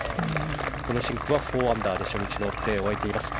シンクは４アンダーで初日のプレーを終えています。